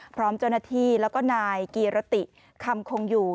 พร้อมเจ้าหน้าที่แล้วก็นายกีรติคำคงอยู่